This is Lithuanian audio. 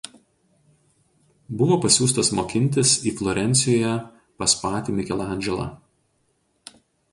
Buvo pasiųstas mokintis į Florencijoje pas patį Mikelandželą.